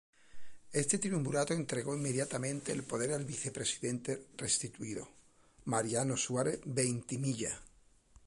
Este triunvirato entregó inmediatamente el poder al Vicepresidente restituido, Mariano Suárez Veintimilla.